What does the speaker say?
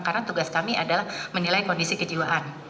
karena tugas kami adalah menilai kondisi kejiwaan